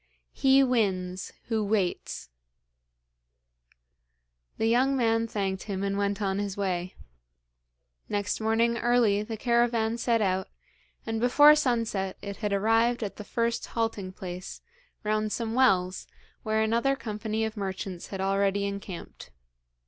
"He wins who waits."' The young man thanked him and went on his way. Next morning early the caravan set out, and before sunset it had arrived at the first halting place, round some wells, where another company of merchants had already encamped.